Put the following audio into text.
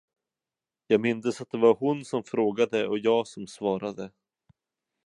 Jag mindes, att det var hon, som frågade, och jag som svarade.